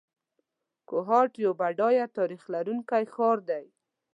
کوهاټ یو بډایه تاریخ لرونکی ښار دی.